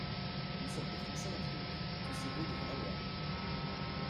Nous sommes des Français, dis donc, tous égaux devant la loi.